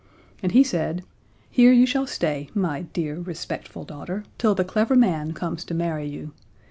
And he said: "Here you shall stay, my dear, respectful daughter, till the clever man comes to marry you.